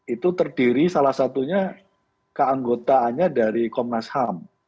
itu terdiri salah satunya keanggotaannya dari komnas ham